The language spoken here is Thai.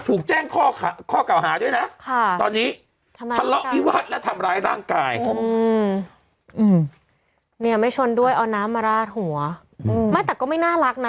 อืมอืมเนี่ยไม่ชนด้วยเอาน้ำมาลาดหัวอืมไม่แต่ก็ไม่น่ารักน่ะ